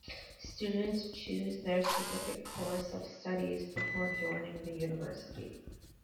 Students choose their specific course of studies before joining the university.